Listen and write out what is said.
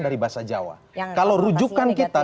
dari bahasa jawa kalau rujukan kita